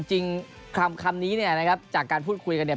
จริงคำนี้เนี่ยนะครับจากการพูดคุยกันเนี่ย